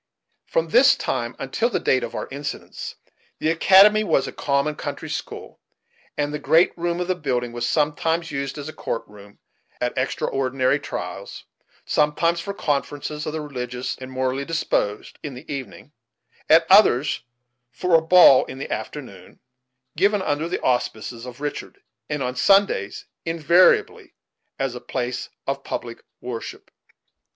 From this time until the date of our incidents, the academy was a common country school, and the great room of the building was sometimes used as a court room, on extraordinary trials; sometimes for conferences of the religious and the morally disposed, in the evening; at others for a ball in the afternoon, given under the auspices of Richard; and on Sundays, invariably, as a place of public worship.